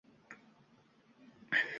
Dadasi bir so‘z demay ichkariga kirib ketdi